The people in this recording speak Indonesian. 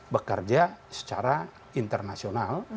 bekerja secara internasional